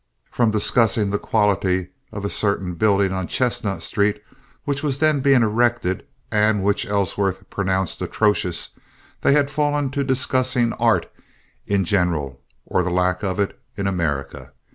From discussing the quality of a certain building on Chestnut Street which was then being erected, and which Ellsworth pronounced atrocious, they had fallen to discussing art in general, or the lack of it, in America.